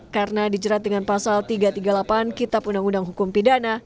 karena dijerat dengan pasal tiga ratus tiga puluh delapan kitab undang undang hukum pidana